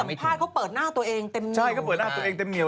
ไม่สัมภาษณ์เขาเปิดหน้าตัวเองเต็มเหนียว